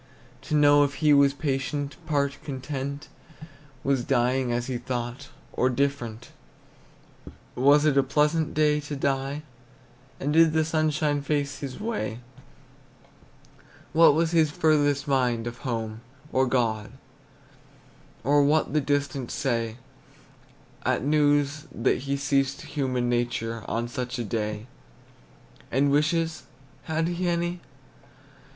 To know if he was patient, part content, Was dying as he thought, or different; Was it a pleasant day to die, And did the sunshine face his way? What was his furthest mind, of home, or God, Or what the distant say At news that he ceased human nature On such a day? And wishes, had he any?